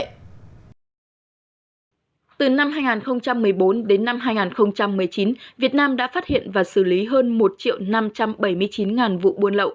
từ năm hai nghìn một mươi bốn đến năm hai nghìn một mươi chín việt nam đã phát hiện và xử lý hơn một năm trăm bảy mươi chín vụ buôn lậu